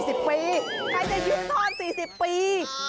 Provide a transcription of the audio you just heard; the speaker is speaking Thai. ใครจะยืนทอด๔๐ปี